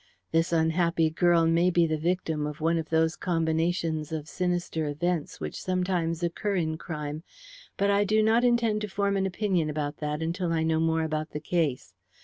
This unhappy girl may be the victim of one of those combinations of sinister events which sometimes occur in crime, but I do not intend to form an opinion about that until I know more about the case.